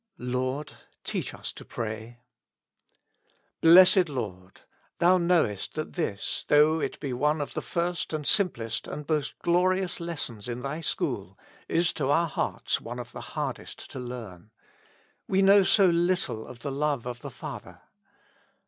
"Lord, teach us to pray." Blessed Lord ! Thou knowest that this, though it be one of the first and simplest and most glorious lessons in Thy school, is to our hearts one of the hardest to learn: we know so little of the love of the Father.